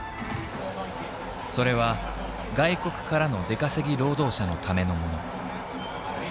それは外国からの出稼ぎ労働者のためのもの。